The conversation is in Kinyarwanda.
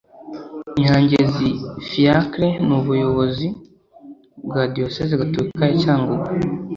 nyangezi fiacre n ubuyobozi bwa diyosezi gatolika ya cyangugu